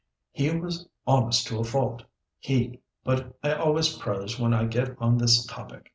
He was honest to a fault. He—but I always prose when I get on this topic.